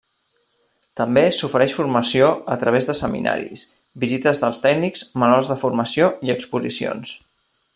També s'ofereix formació a través de seminaris, visites dels tècnics, manuals de formació i exposicions.